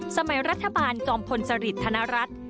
สมัยรัฐบาลจอมพลสริทธนรัฐ